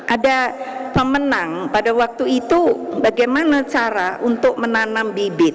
ada pemenang pada waktu itu bagaimana cara untuk menanam bibit